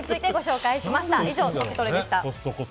以上、トクトレでした。